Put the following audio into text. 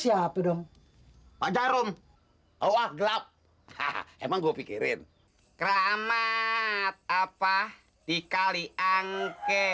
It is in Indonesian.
siapa dong pak jarum awah gelap hahaha emang gue pikirin keramat apa di kaliang ke